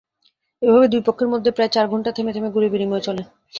এভাবে দুই পক্ষের মধ্যে প্রায় চার ঘণ্টা থেমে থেমে গুলিবিনিময় চলে।